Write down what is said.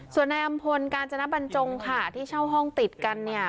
ส่วนนายอำพลกาญจนบรรจงค่ะที่เช่าห้องติดกันเนี่ย